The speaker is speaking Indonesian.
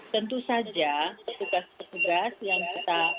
tentu saja tugas tugas yang kita